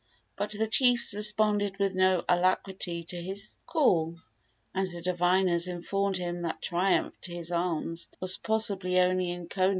But the chiefs responded with no alacrity to his call, and the diviners informed him that triumph to his arms was possible only in Kona.